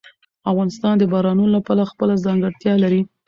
افغانستان د بارانونو له پلوه خپله ځانګړتیا لري.